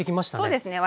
そうですね。